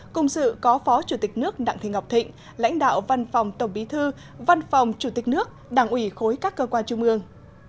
cùng sự có phó chủ tịch nước đặng thị ngọc thịnh lãnh đạo văn phòng tổng bí thư văn phòng chủ tịch nước đảng ủy khối các cơ quan trung ương